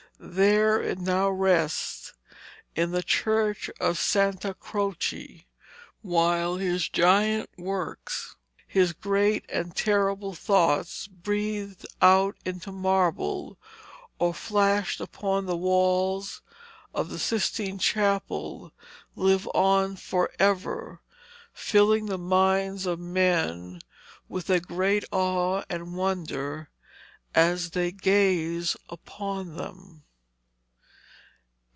There it now rests in the Church of Santa Croce, while his giant works, his great and terrible thoughts breathed out into marble or flashed upon the walls of the Sistine Chapel, live on for ever, filling the minds of men with a great awe and wonder as they gaze upon them.